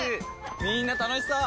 みんな楽しそう！